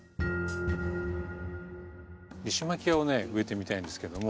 リシマキアを植えてみたいんですけども。